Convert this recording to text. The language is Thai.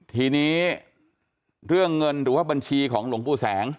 ทีนี้เรื่องเงินหรือว่าบัญชีของหลวงปู่แสง